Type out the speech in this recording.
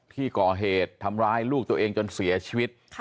ที่ก่อเหตุทำร้ายลูกตัวเองจนเสียชีวิต